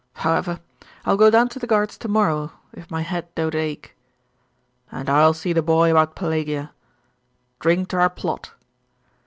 However, I will go down to the guards to morrow, if my head don't ache.' 'And I will see the boy about Pelagia. Drink to our plot!